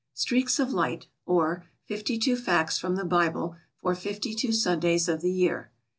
Streaks of Light; or, Fifty two Facts from the Bible for Fifty two Sundays of the Year.